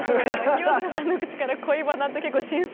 清塚さんの口から「恋バナ」って結構新鮮。